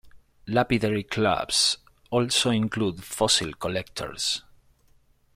Lapidary clubs also include fossil collectors.